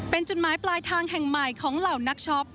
เป็นจุดหมายปลายทางแห่งใหม่ของเหล่านักช็อป